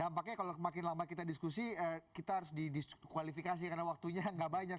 dampaknya kalau makin lama kita diskusi kita harus di diskualifikasi karena waktunya gak banyak